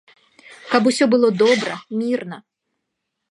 Каб усё было добра, мірна.